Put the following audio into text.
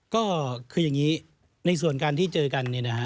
ก็คืออย่างนี้ในส่วนการที่เจอกันเนี่ยนะฮะ